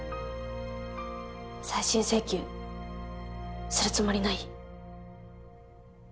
再審請求するつもりない？